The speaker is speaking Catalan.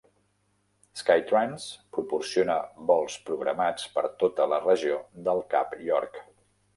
Skytrans proporciona vols programats per tota la regió del Cap York.